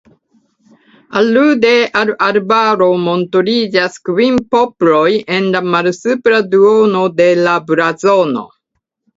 Alude al "Arbaro" montriĝas kvin poploj en la malsupra duono de la blazono.